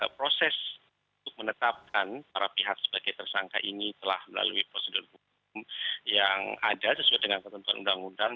proses untuk menetapkan para pihak sebagai tersangka ini telah melalui prosedur hukum yang ada sesuai dengan ketentuan undang undang